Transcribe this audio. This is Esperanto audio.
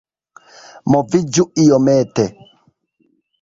Moviĝu iomete